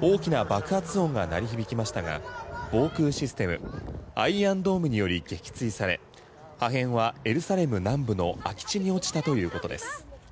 大きな爆発音が鳴り響きましたが防空システムアイアンドームにより撃墜され破片はエルサレム南部の空き地に落ちたということです。